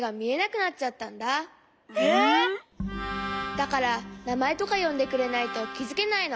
だからなまえとかよんでくれないときづけないの。